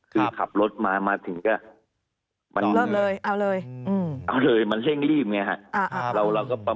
คือขับรถมาถึงก็เอาเลยมันเล่งรีบไงครับ